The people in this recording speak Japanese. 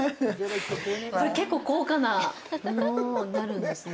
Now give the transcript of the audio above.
結構高価なものになるんですね。